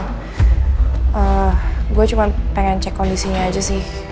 gue cuma pengen cek kondisinya aja sih